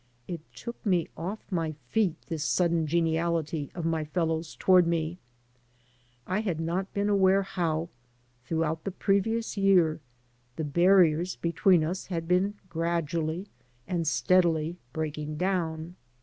It took me off my feet, this sudden geniality of my fellows toward me. I had not been aware how, throughout the previous year, the barriers between us had been gradually and steadily breaking down.